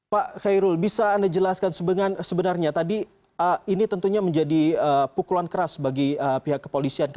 pak khairul bisa anda jelaskan sebenarnya tadi ini tentunya menjadi pukulan keras bagi pihak kepolisian